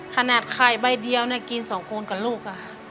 ขนาดไข่ใบเดียวกิน๒คนกับลูก